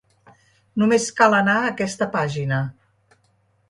Només cal anar a aquesta pàgina.